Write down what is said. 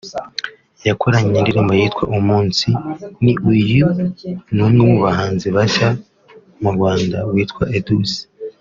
yakoranye indirimbo yitwa “Umunsi Ni Uyu” n’umwe mu bahanzi bashya mu Rwanda witwa Edouce